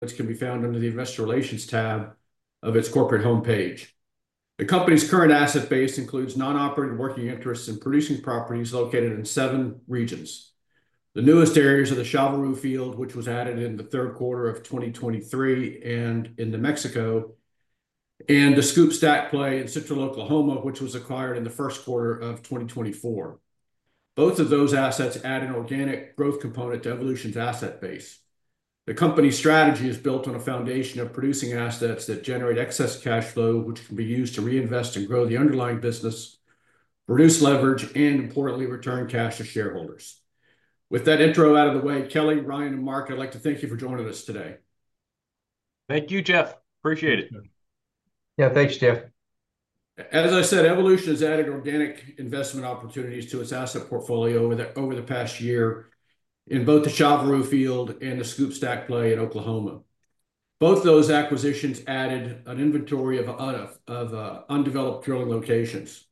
Which can be found under the Investor Relations tab of its corporate homepage. The company's current asset base includes non-operating working interests in producing properties located in seven regions. The newest areas are the Chaveroo Field, which was added in the third quarter of 2023, and in New Mexico, and the SCOOP/STACK in Central Oklahoma, which was acquired in the first quarter of 2024. Both of those assets add an organic growth component to Evolution's asset base. The company's strategy is built on a foundation of producing assets that generate excess cash flow, which can be used to reinvest and grow the underlying business, reduce leverage, and, importantly, return cash to shareholders. With that intro out of the way, Kelly, Ryan, and Mark, I'd like to thank you for joining us today. Thank you, Jeff. Appreciate it. Yeah, thanks, Jeff. As I said, Evolution has added organic investment opportunities to its asset portfolio over the past year in both the Chaveroo Field and the SCOOP/STACK play in Oklahoma. Both those acquisitions added an inventory of undeveloped drilling locations.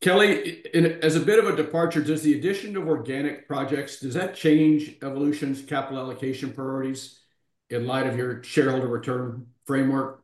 Kelly, as a bit of a departure, does the addition of organic projects change Evolution's capital allocation priorities in light of your shareholder return framework?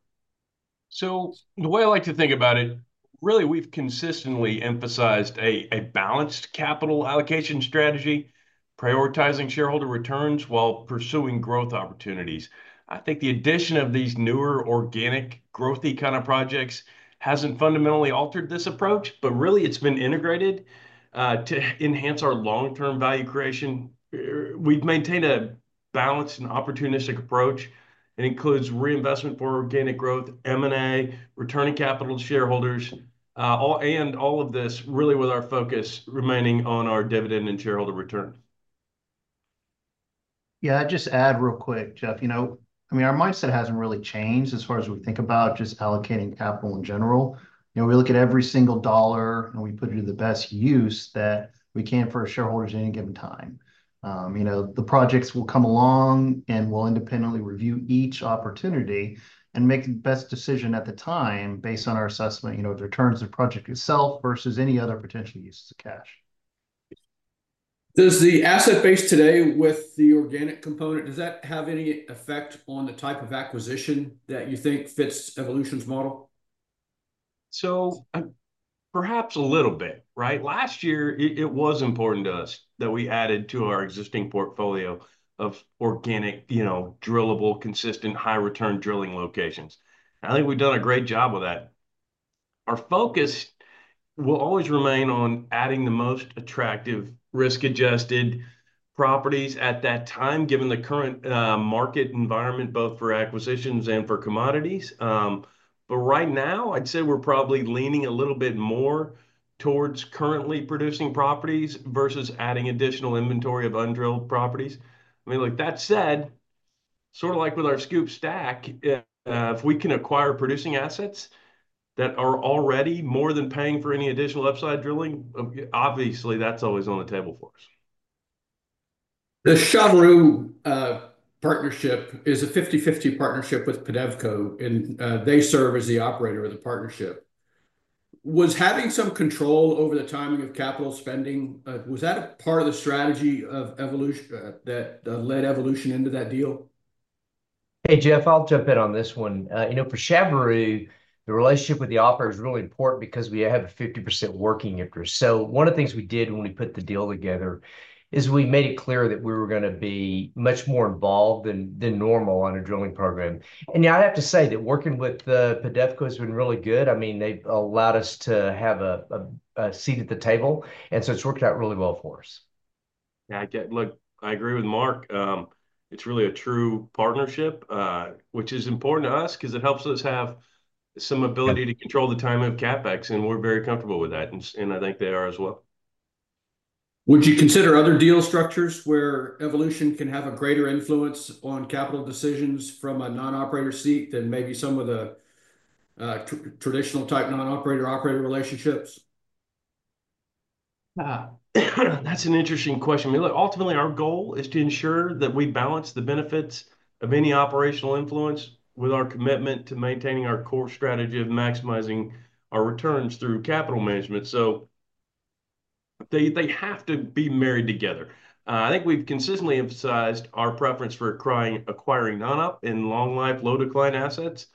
So the way I like to think about it, really, we've consistently emphasized a balanced capital allocation strategy, prioritizing shareholder returns while pursuing growth opportunities. I think the addition of these newer organic growthy kind of projects hasn't fundamentally altered this approach, but really, it's been integrated to enhance our long-term value creation. We've maintained a balanced and opportunistic approach. It includes reinvestment for organic growth, M&A, returning capital to shareholders, and all of this, really, with our focus remaining on our dividend and shareholder return. Yeah, I'd just add real quick, Jeff. You know, I mean, our mindset hasn't really changed as far as we think about just allocating capital in general. You know, we look at every single dollar, and we put it into the best use that we can for our shareholders at any given time. You know, the projects will come along, and we'll independently review each opportunity and make the best decision at the time based on our assessment, you know, of the returns of the project itself versus any other potential uses of cash. Does the asset base today with the organic component, does that have any effect on the type of acquisition that you think fits Evolution's model? So perhaps a little bit, right? Last year, it was important to us that we added to our existing portfolio of organic, you know, drillable, consistent, high-return drilling locations. I think we've done a great job with that. Our focus will always remain on adding the most attractive risk-adjusted properties at that time, given the current market environment, both for acquisitions and for commodities. But right now, I'd say we're probably leaning a little bit more towards currently producing properties versus adding additional inventory of undrilled properties. I mean, like that said, sort of like with our SCOOP/STACK, if we can acquire producing assets that are already more than paying for any additional upside drilling, obviously, that's always on the table for us. The Chaveroo partnership is a 50/50 partnership with PEDEVCO, and they serve as the operator of the partnership. Was having some control over the timing of capital spending, was that a part of the strategy of Evolution that led Evolution into that deal? Hey, Jeff, I'll jump in on this one. You know, for Chaveroo, the relationship with the operator is really important because we have a 50% working interest. So one of the things we did when we put the deal together is we made it clear that we were going to be much more involved than normal on a drilling program. And yeah, I'd have to say that working with PEDEVCO has been really good. I mean, they've allowed us to have a seat at the table, and so it's worked out really well for us. Yeah, look, I agree with Mark. It's really a true partnership, which is important to us because it helps us have some ability to control the timing of CapEx, and we're very comfortable with that, and I think they are as well. Would you consider other deal structures where Evolution can have a greater influence on capital decisions from a non-operator seat than maybe some of the traditional type non-operator-operator relationships? That's an interesting question. I mean, look, ultimately, our goal is to ensure that we balance the benefits of any operational influence with our commitment to maintaining our core strategy of maximizing our returns through capital management. So they have to be married together. I think we've consistently emphasized our preference for acquiring non-op and long-life, low-decline assets.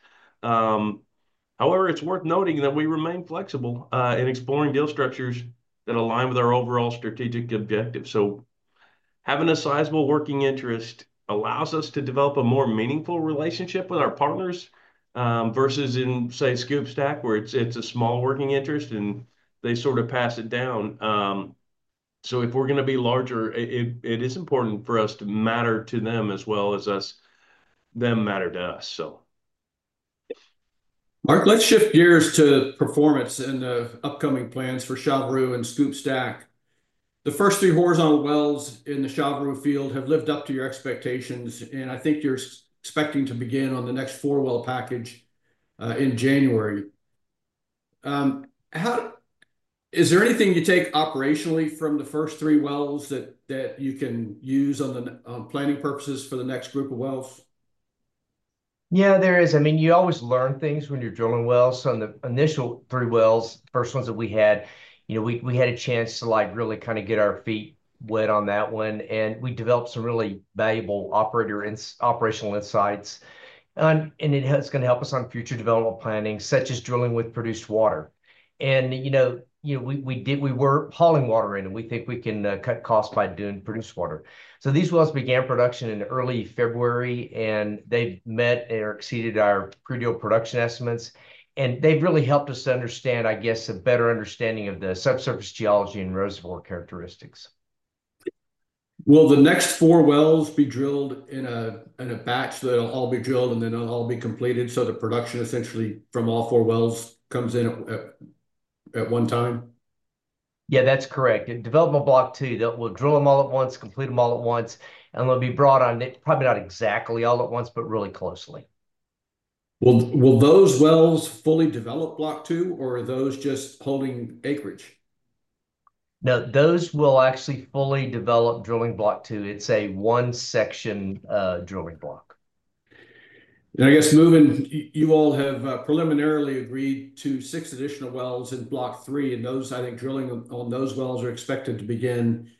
However, it's worth noting that we remain flexible in exploring deal structures that align with our overall strategic objective. So having a sizable working interest allows us to develop a more meaningful relationship with our partners versus in, say, SCOOP/STACK, where it's a small working interest, and they sort of pass it down. So if we're going to be larger, it is important for us to matter to them as well as them matter to us, so. Mark, let's shift gears to performance and the upcoming plans for Chaveroo and SCOOP/STACK. The first three horizontal wells in the Chaveroo field have lived up to your expectations, and I think you're expecting to begin on the next four well package in January. Is there anything you take operationally from the first three wells that you can use on planning purposes for the next group of wells? Yeah, there is. I mean, you always learn things when you're drilling wells. On the initial three wells, first ones that we had, you know, we had a chance to, like, really kind of get our feet wet on that one, and we developed some really valuable operational insights. And it's going to help us on future development planning, such as drilling with produced water. And, you know, we were hauling water in, and we think we can cut costs by doing produced water. So these wells began production in early February, and they've met and exceeded our pre-deal production estimates. And they've really helped us to understand, I guess, a better understanding of the subsurface geology and reservoir characteristics. Will the next four wells be drilled in a batch that'll all be drilled and then they'll all be completed so the production essentially from all four wells comes in at one time? Yeah, that's correct. Development Block 2, we'll drill them all at once, complete them all at once, and they'll be brought on probably not exactly all at once, but really closely. Will those wells fully develop Block 2, or are those just holding acreage? No, those will actually fully develop drilling block two. It's a one-section drilling block. I guess moving, you all have preliminarily agreed to six additional wells in Block 3, and those, I think, drilling on those wells are expected to begin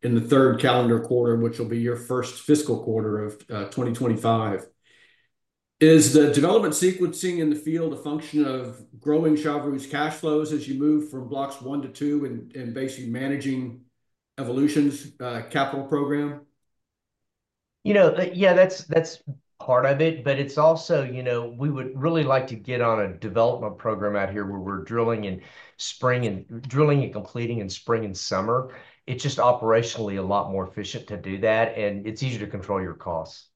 in the third calendar quarter, which will be your first fiscal quarter of 2025. Is the development sequencing in the field a function of growing Chaveroo's cash flows as you move from blocks one to two and basically managing Evolution's capital program? You know, yeah, that's part of it, but it's also, you know, we would really like to get on a development program out here where we're drilling in spring and drilling and completing in spring and summer. It's just operationally a lot more efficient to do that, and it's easier to control your costs.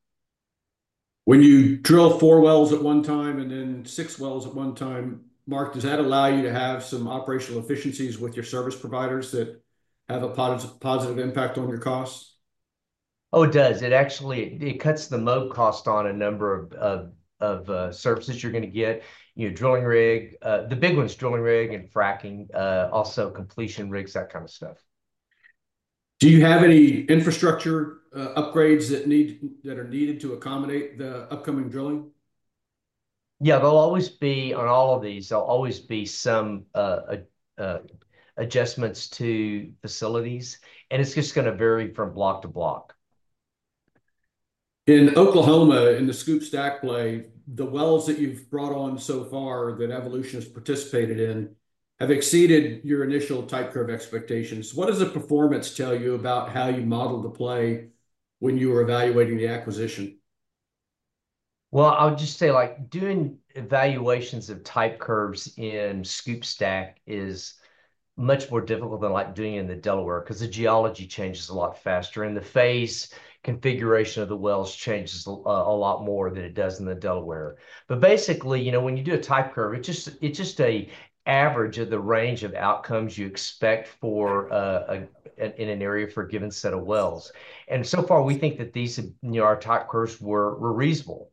When you drill four wells at one time and then six wells at one time, Mark, does that allow you to have some operational efficiencies with your service providers that have a positive impact on your costs? Oh, it does. It actually cuts the mud cost on a number of services you're going to get, you know, drilling rig, the big ones, drilling rig and fracking, also completion rigs, that kind of stuff. Do you have any infrastructure upgrades that are needed to accommodate the upcoming drilling? Yeah, there'll always be on all of these, there'll always be some adjustments to facilities, and it's just going to vary from block to block. In Oklahoma, in the SCOOP/STACK play, the wells that you've brought on so far that Evolution has participated in have exceeded your initial type curve expectations. What does the performance tell you about how you modeled the play when you were evaluating the acquisition? I would just say, like, doing evaluations of type curves in SCOOP/STACK is much more difficult than, like, doing it in the Delaware because the geology changes a lot faster, and the phase configuration of the wells changes a lot more than it does in the Delaware. But basically, you know, when you do a type curve, it's just an average of the range of outcomes you expect in an area for a given set of wells. And so far, we think that these, you know, our type curves were reasonable.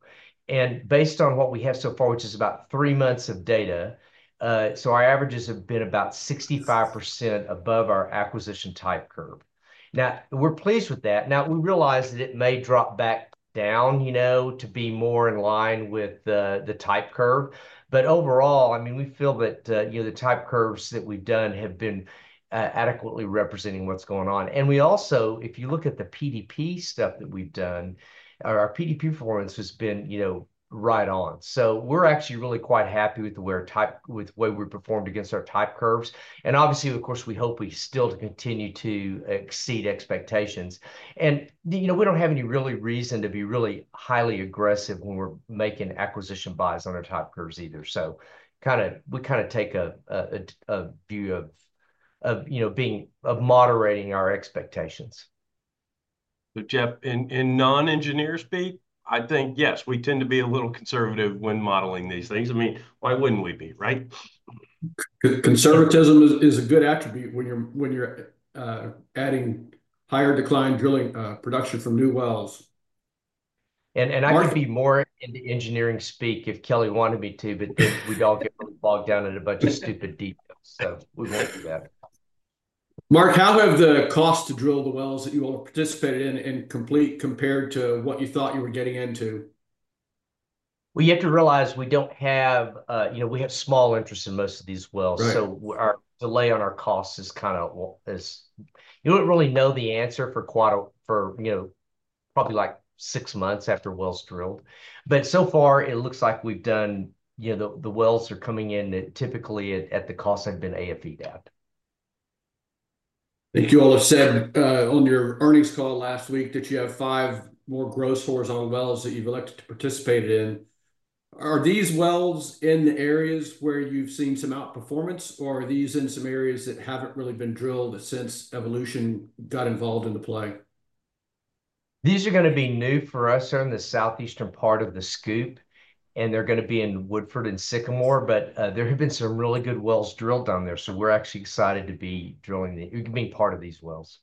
And based on what we have so far, which is about three months of data, so our averages have been about 65% above our acquisition type curve. Now, we're pleased with that. Now, we realize that it may drop back down, you know, to be more in line with the type curve, but overall, I mean, we feel that, you know, the type curves that we've done have been adequately representing what's going on. We also, if you look at the PDP stuff that we've done, our PDP performance has been, you know, right on. So we're actually really quite happy with the way we performed against our type curves. Obviously, of course, we hope we still continue to exceed expectations. We don't have any really reason to be really highly aggressive when we're making acquisition buys on our type curves either. So kind of we kind of take a view of, you know, being of moderating our expectations. But, Jeff, in non-engineer speak, I think, yes, we tend to be a little conservative when modeling these things. I mean, why wouldn't we be, right? Conservatism is a good attribute when you're adding higher-decline drilling production from new wells. I could be more into engineering speak if Kelly wanted me to, but then we'd all get bogged down in a bunch of stupid details, so we won't do that. Mark, how have the costs to drill the wells that you all have participated in and complete compared to what you thought you were getting into? You have to realize we don't have, you know, we have small interests in most of these wells, so our delay on our costs is kind of, you don't really know the answer for, you know, probably like six months after wells drilled. But so far, it looks like we've done, you know, the wells are coming in that typically at the costs have been AFE down. I think you all have said on your earnings call last week that you have five more gross wells that you've elected to participate in. Are these wells in the areas where you've seen some outperformance, or are these in some areas that haven't really been drilled since Evolution got involved in the play? These are going to be new for us. They're in the southeastern part of the SCOOP, and they're going to be in Woodford and Sycamore, but there have been some really good wells drilled down there, so we're actually excited to be drilling, being part of these wells.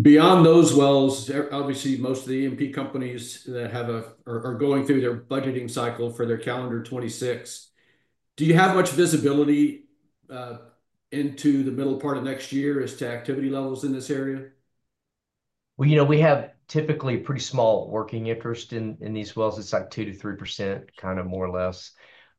Beyond those wells, obviously, most of the E&P companies that have, are going through their budgeting cycle for their calendar 2026. Do you have much visibility into the middle part of next year as to activity levels in this area? You know, we have typically pretty small working interest in these wells. It's like 2%-3%, kind of more or less.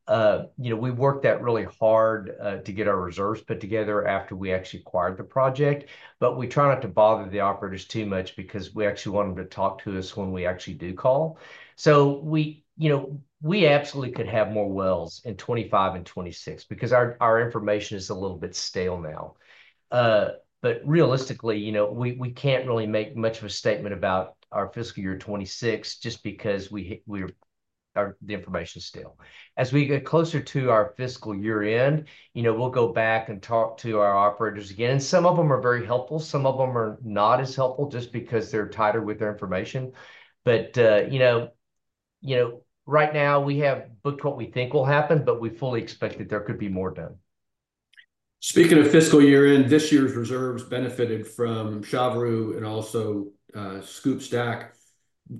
You know, we worked that really hard to get our reserves put together after we actually acquired the project, but we try not to bother the operators too much because we actually want them to talk to us when we actually do call. So we, you know, we absolutely could have more wells in 2025 and 2026 because our information is a little bit stale now. But realistically, you know, we can't really make much of a statement about our fiscal year 2026 just because we are, the information's stale. As we get closer to our fiscal year end, you know, we'll go back and talk to our operators again, and some of them are very helpful. Some of them are not as helpful just because they're tighter with their information. But, you know, you know, right now we have booked what we think will happen, but we fully expect that there could be more done. Speaking of fiscal year-end, this year's reserves benefited from Chaveroo and also SCOOP/STACK.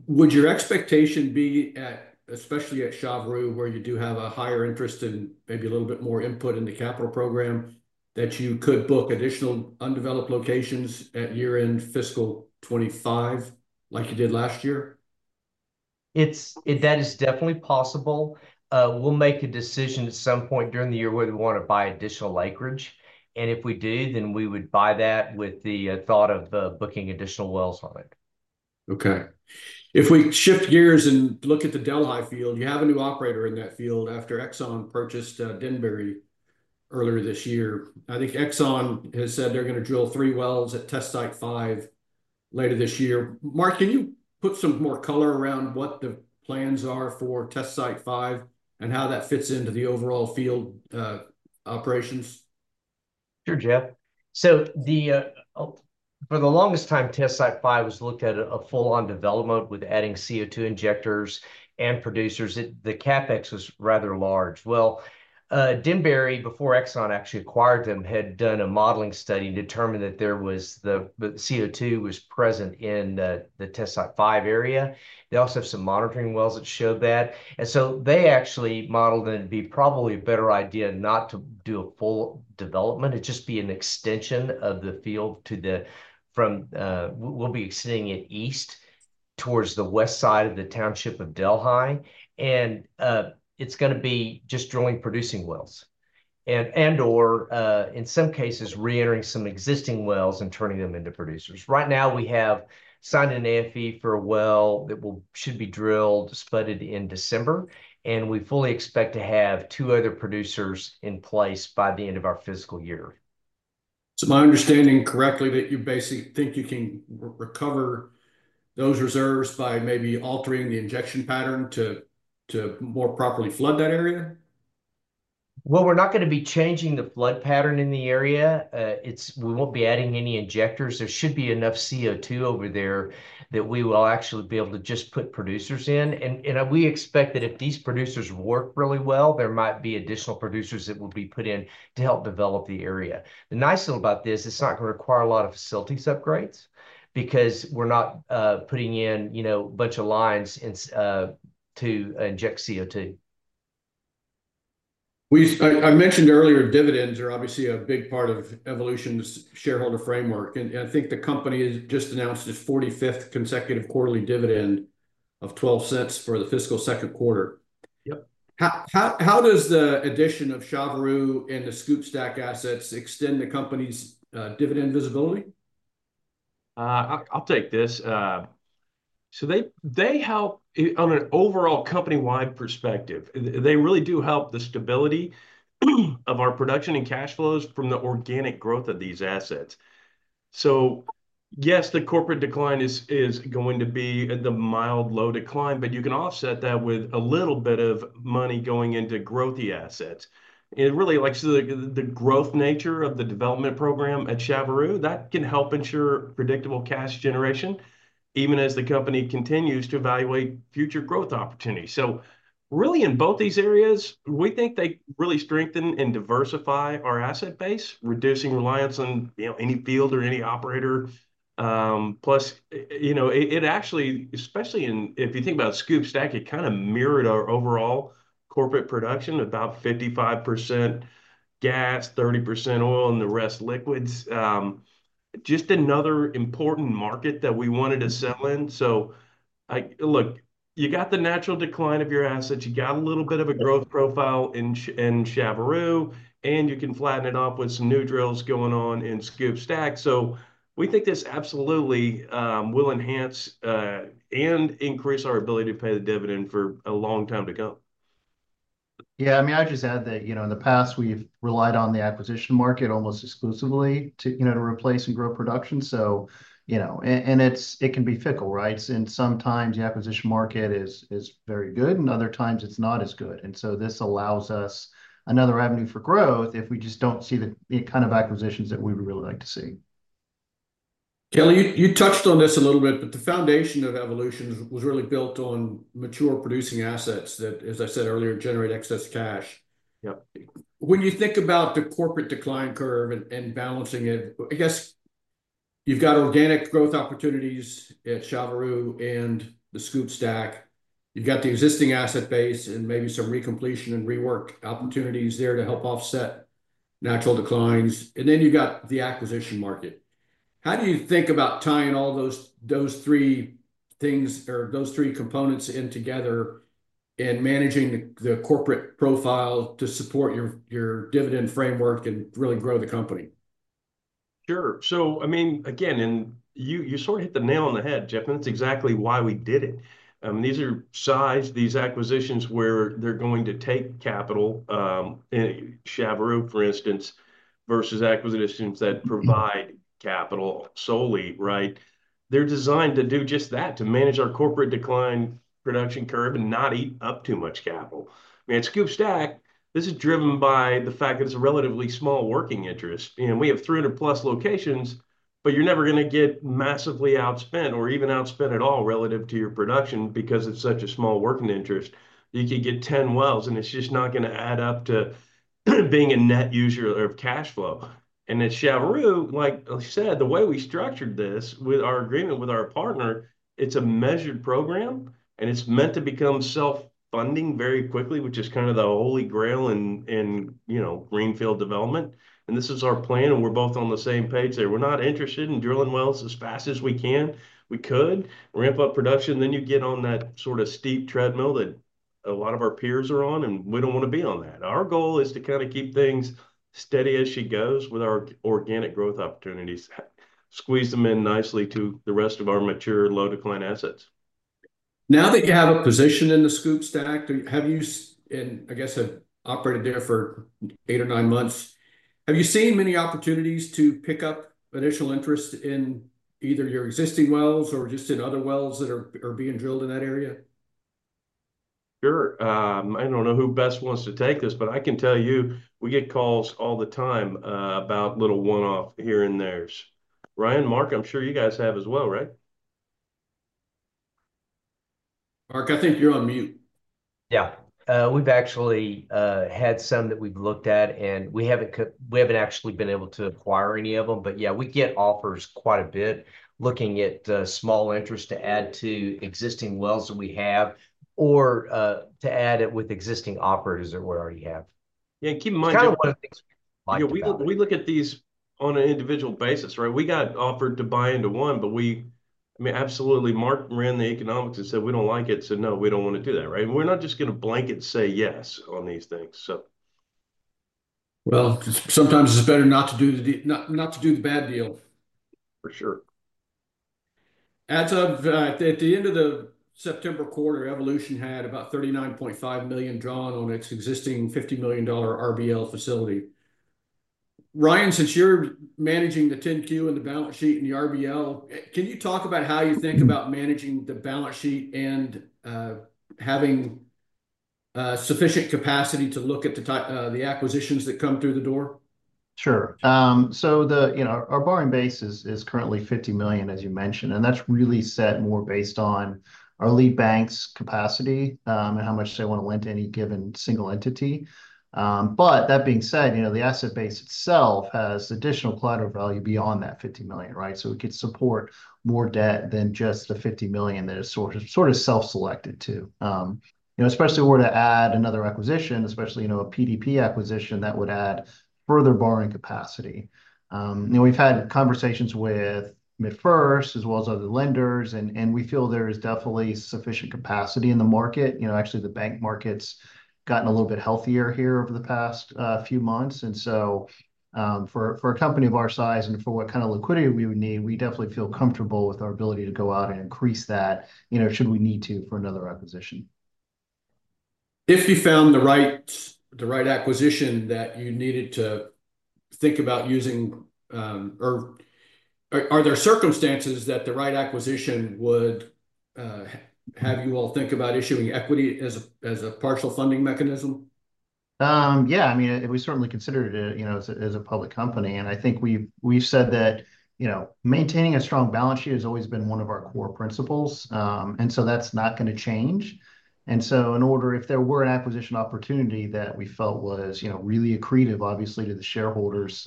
Would your expectation be at, especially at Chaveroo, where you do have a higher interest and maybe a little bit more input in the capital program, that you could book additional undeveloped locations at year-end fiscal 2025 like you did last year? That is definitely possible. We'll make a decision at some point during the year whether we want to buy additional acreage, and if we do, then we would buy that with the thought of booking additional wells on it. Okay. If we shift gears and look at the Delhi Field, you have a new operator in that field after Exxon purchased Denbury earlier this year. I think Exxon has said they're going to drill three wells at Test Site V later this year. Mark, can you put some more color around what the plans are for Test Site V and how that fits into the overall field operations? Sure, Jeff. So for the longest time, Test Site V was looked at as a full-on development with adding CO2 injectors and producers. The CapEx was rather large. Well, Denbury, before Exxon actually acquired them, had done a modeling study and determined that there was CO2 present in the Test Site V area. They also have some monitoring wells that showed that. And so they actually modeled that it'd be probably a better idea not to do a full development. It'd just be an extension of the field. We'll be extending it east towards the west side of the township of Delhi. And it's going to be just drilling, producing wells, and/or in some cases, reentering some existing wells and turning them into producers. Right now, we have signed an AFE for a well that should be drilled, spudded in December, and we fully expect to have two other producers in place by the end of our fiscal year. So my understanding correctly that you basically think you can recover those reserves by maybe altering the injection pattern to more properly flood that area? We're not going to be changing the flood pattern in the area. We won't be adding any injectors. There should be enough CO2 over there that we will actually be able to just put producers in, and we expect that if these producers work really well, there might be additional producers that will be put in to help develop the area. The nice thing about this, it's not going to require a lot of facilities upgrades because we're not putting in, you know, a bunch of lines to inject CO2. I mentioned earlier dividends are obviously a big part of Evolution's shareholder framework, and I think the company just announced its 45th consecutive quarterly dividend of $0.12 for the fiscal second quarter. Yep. How does the addition of Chaveroo and the SCOOP/STACK assets extend the company's dividend visibility? I'll take this. So they help on an overall company-wide perspective. They really do help the stability of our production and cash flows from the organic growth of these assets. So yes, the corporate decline is going to be the mild low decline, but you can offset that with a little bit of money going into growthy assets. And really, like the growth nature of the development program at Chaveroo, that can help ensure predictable cash generation even as the company continues to evaluate future growth opportunities. So really in both these areas, we think they really strengthen and diversify our asset base, reducing reliance on, you know, any field or any operator. Plus, you know, it actually, especially in, if you think about SCOOP/STACK, it kind of mirrored our overall corporate production, about 55% gas, 30% oil, and the rest liquids. Just another important market that we wanted to sell in. So look, you got the natural decline of your assets, you got a little bit of a growth profile in Chaveroo, and you can flatten it off with some new drills going on in SCOOP/STACK. So we think this absolutely will enhance and increase our ability to pay the dividend for a long time to come. Yeah. I mean, I would just add that, you know, in the past, we've relied on the acquisition market almost exclusively to, you know, to replace and grow production. So, you know, and it can be fickle, right? And sometimes the acquisition market is very good, and other times it's not as good. And so this allows us another avenue for growth if we just don't see the kind of acquisitions that we would really like to see. Kelly, you touched on this a little bit, but the foundation of Evolution was really built on mature producing assets that, as I said earlier, generate excess cash. Yep. When you think about the corporate decline curve and balancing it, I guess you've got organic growth opportunities at Chaveroo and the SCOOP/STACK. You've got the existing asset base and maybe some recompletion and rework opportunities there to help offset natural declines. And then you've got the acquisition market. How do you think about tying all those three things or those three components in together and managing the corporate profile to support your dividend framework and really grow the company? Sure. So, I mean, again, and you sort of hit the nail on the head, Jeff, and that's exactly why we did it. These are sized, these acquisitions where they're going to take capital, Chaveroo, for instance, versus acquisitions that provide capital solely, right? They're designed to do just that, to manage our corporate decline production curve and not eat up too much capital. I mean, at SCOOP/STACK, this is driven by the fact that it's a relatively small working interest. You know, we have 300-plus locations, but you're never going to get massively outspent or even outspent at all relative to your production because it's such a small working interest. You could get 10 wells, and it's just not going to add up to being a net user of cash flow. And at Chaveroo, like I said, the way we structured this with our agreement with our partner, it's a measured program, and it's meant to become self-funding very quickly, which is kind of the holy grail in, you know, greenfield development. And this is our plan, and we're both on the same page there. We're not interested in drilling wells as fast as we can. We could ramp up production, then you get on that sort of steep treadmill that a lot of our peers are on, and we don't want to be on that. Our goal is to kind of keep things steady as she goes with our organic growth opportunities, squeeze them in nicely to the rest of our mature low-decline assets. Now that you have a position in the SCOOP/STACK, have you, and I guess have operated there for eight or nine months, have you seen many opportunities to pick up additional interest in either your existing wells or just in other wells that are being drilled in that area? Sure. I don't know who best wants to take this, but I can tell you we get calls all the time about little one-offs here and there. Ryan, Mark, I'm sure you guys have as well, right? Mark, I think you're on mute. Yeah. We've actually had some that we've looked at, and we haven't actually been able to acquire any of them, but yeah, we get offers quite a bit looking at small interest to add to existing wells that we have or to add it with existing operators that we already have. Yeah. And keep in mind. Kind of one of the things. You know, we look at these on an individual basis, right? We got offered to buy into one, but we, I mean, absolutely, Mark ran the economics and said, "We don't like it," said, "No, we don't want to do that," right? We're not just going to blanket say yes on these things, so. Well, sometimes it's better not to do the bad deal. For sure. At the end of the September quarter, Evolution had about $39.5 million drawn on its existing $50 million RBL facility. Ryan, since you're managing the 10-Q and the balance sheet and the RBL, can you talk about how you think about managing the balance sheet and having sufficient capacity to look at the acquisitions that come through the door? Sure. So, you know, our borrowing base is currently $50 million, as you mentioned, and that's really set more based on our lead bank's capacity and how much they want to lend to any given single entity. But that being said, you know, the asset base itself has additional collateral value beyond that $50 million, right? So it could support more debt than just the $50 million that is sort of self-selected to, you know, especially if we were to add another acquisition, especially, you know, a PDP acquisition that would add further borrowing capacity. You know, we've had conversations with MidFirst as well as other lenders, and we feel there is definitely sufficient capacity in the market. You know, actually, the bank market's gotten a little bit healthier here over the past few months. So for a company of our size and for what kind of liquidity we would need, we definitely feel comfortable with our ability to go out and increase that, you know, should we need to for another acquisition. If you found the right acquisition that you needed to think about using, or are there circumstances that the right acquisition would have you all think about issuing equity as a partial funding mechanism? Yeah. I mean, we certainly considered it, you know, as a public company. And I think we've said that, you know, maintaining a strong balance sheet has always been one of our core principles. And so that's not going to change. And so in order, if there were an acquisition opportunity that we felt was, you know, really accretive, obviously, to the shareholders,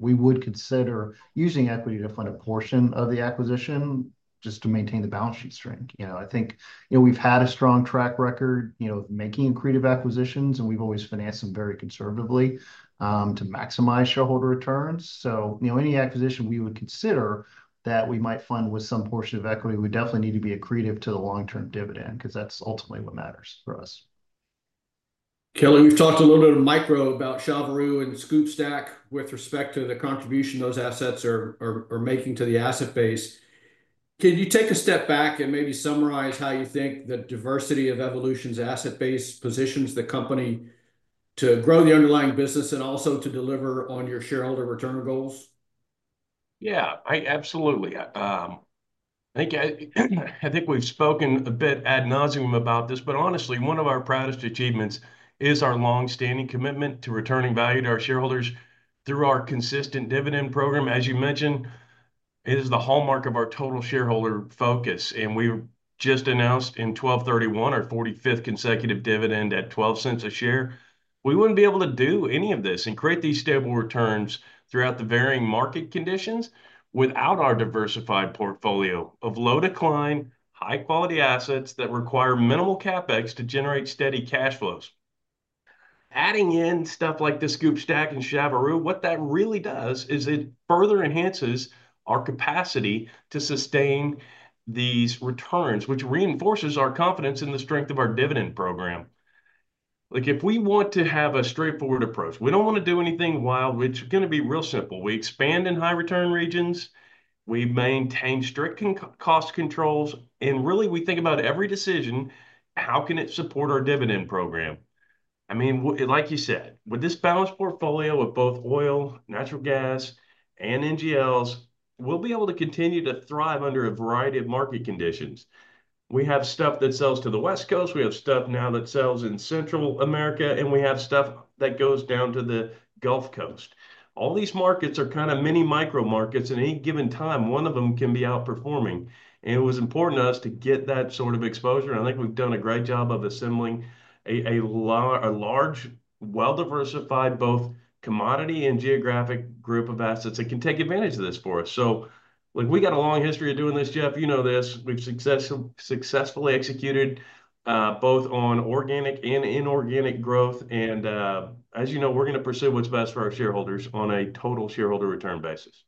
we would consider using equity to fund a portion of the acquisition just to maintain the balance sheet strength. You know, I think, you know, we've had a strong track record, you know, of making accretive acquisitions, and we've always financed them very conservatively to maximize shareholder returns. So, you know, any acquisition we would consider that we might fund with some portion of equity would definitely need to be accretive to the long-term dividend because that's ultimately what matters for us. Kelly, we've talked a little bit of micro about Chaveroo and SCOOP/STACK with respect to the contribution those assets are making to the asset base. Can you take a step back and maybe summarize how you think the diversity of Evolution's asset base positions the company to grow the underlying business and also to deliver on your shareholder return goals? Yeah. I absolutely. I think we've spoken a bit ad nauseam about this, but honestly, one of our proudest achievements is our longstanding commitment to returning value to our shareholders through our consistent dividend program, as you mentioned, is the hallmark of our total shareholder focus and we just announced in 12/31 our 45th consecutive dividend at $0.12 a share. We wouldn't be able to do any of this and create these stable returns throughout the varying market conditions without our diversified portfolio of low-decline, high-quality assets that require minimal CapEx to generate steady cash flows. Adding in stuff like the SCOOP/STACK and Chaveroo, what that really does is it further enhances our capacity to sustain these returns, which reinforces our confidence in the strength of our dividend program. Look, if we want to have a straightforward approach, we don't want to do anything wild, which is going to be real simple. We expand in high-return regions. We maintain strict cost controls, and really, we think about every decision, how can it support our dividend program? I mean, like you said, with this balanced portfolio of both oil, natural gas, and NGLs, we'll be able to continue to thrive under a variety of market conditions. We have stuff that sells to the West Coast. We have stuff now that sells in Central America, and we have stuff that goes down to the Gulf Coast. All these markets are kind of mini micro markets at any given time. One of them can be outperforming, and it was important to us to get that sort of exposure. And I think we've done a great job of assembling a large well-diversified, both commodity and geographic group of assets that can take advantage of this for us. So, look, we got a long history of doing this, Jeff. You know this. We've successfully executed both on organic and inorganic growth. And as you know, we're going to pursue what's best for our shareholders on a total shareholder return basis.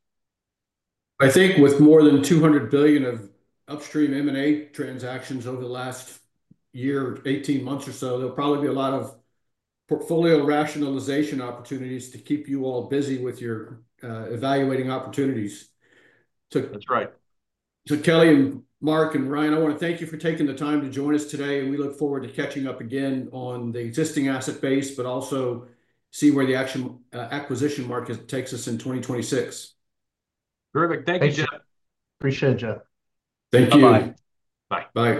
I think with more than $200 billion of upstream M&A transactions over the last year, 18 months or so, there'll probably be a lot of portfolio rationalization opportunities to keep you all busy with you're evaluating opportunities. That's right. Kelly and Mark and Ryan, I want to thank you for taking the time to join us today. We look forward to catching up again on the existing asset base, but also see where the acquisition market takes us in 2026. Terrific. Thank you, Jeff. Appreciate it, Jeff. Thank you. Bye-bye. Bye. Bye.